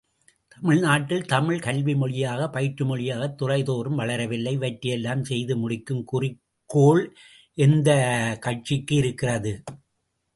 தமிழ்நாட்டில் தமிழ், கல்வி மொழியாக, பயிற்றுமொழியாகத் துறைதோறும் வளரவில்லை, இவற்றையெல்லாம் செய்து முடிக்கும் குறிக்கோள் எந்தக் கட்சிக்கு இருக்கிறது?